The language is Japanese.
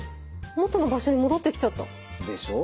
元の場所に戻ってきちゃった！でしょう。